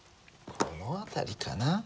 この辺りかな。